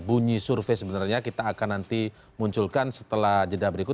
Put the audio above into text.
bunyi survei sebenarnya kita akan nanti munculkan setelah jeda berikut